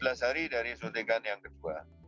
empat belas hari dari suntikan yang kedua